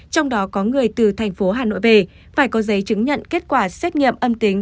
trong đó có người từ thành phố hà nội về phải có giấy chứng nhận kết quả xét nghiệm âm tính